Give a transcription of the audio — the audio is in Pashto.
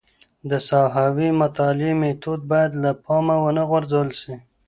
د ساحوي مطالعې میتود باید له پامه ونه غورځول سي.